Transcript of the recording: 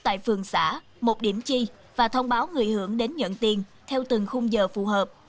tại phường xã một điểm chi và thông báo người hưởng đến nhận tiền theo từng khung giờ phù hợp